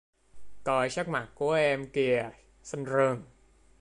Coi sắc mặt của em kìa xanh rờn